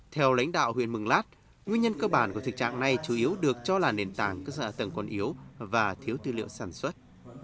theo lãnh đạo huyện mường lát nguyên nhân cơ bản của thực trạng này chủ yếu được cho là nền tảng cơ sở hạ tầng còn yếu và thiếu tư liệu sản xuất